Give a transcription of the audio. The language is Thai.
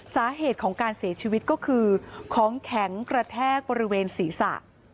สาเหตุของการเสียชีวิตก็คือของแข็งกระแทกบริเวณศีรษะ